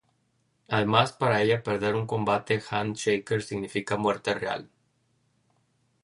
Además, para ella perder un combate Hand Shaker significa muerte real.